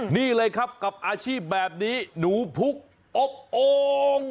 นี่เลยครับกับอาชีพแบบนี้หนูพุกอบโอ่ง